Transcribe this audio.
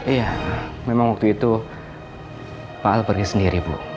iya memang waktu itu pak al pergi sendiri bu